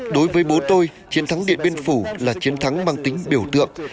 đối với bố tôi chiến thắng điện biên phủ là chiến thắng mang tính biểu tượng